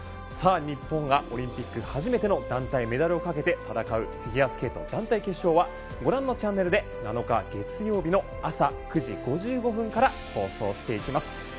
日本がオリンピック初めての団体メダルをかけて戦うフィギュア団体決勝はご覧のチャンネルで７日月曜日の朝９時５５分から放送します。